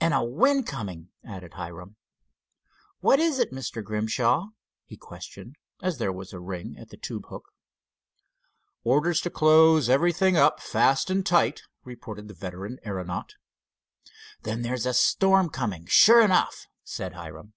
"And a wind coming," added Hiram. "What is it, Mr. Grimshaw?" he questioned, as there was a ring at the tube hook. "Orders to close everything up fast and tight," reported the veteran aeronaut. "Then there's a storm coming, sure enough," said Hiram.